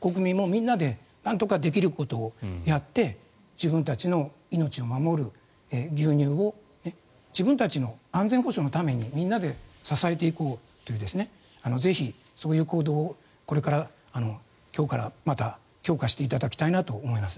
国民もみんなでなんとか、できることをやって自分たちの命を守る牛乳を自分たちの安全保障のためにみんなで支えていこうというぜひ、そういう行動をこれから今日からまた強化していただきたいなと思います。